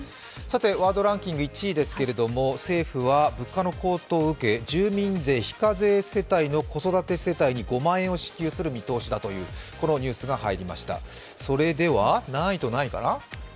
ワードランキング１位ですけれども政府は物価の高騰を受け住民税非課税世帯の子育て世帯に５万円を支給する見通しだというニュースが入りました。